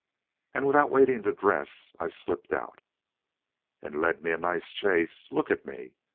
"And, without waiting to dress, I slipped out " "And led me a nice chase. Look at me.